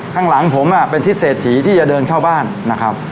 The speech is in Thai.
ข้างหลังผมเป็นทิศเศรษฐีที่จะเดินเข้าบ้านนะครับ